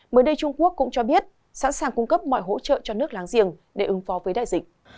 mới đây trung quốc cũng cho biết sẵn sàng cung cấp mọi hỗ trợ cho nước láng giềng để ứng phó với đại dịch